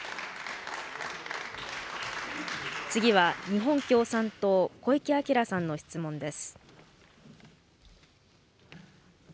次は日本共産党、小池晃さんの質問です。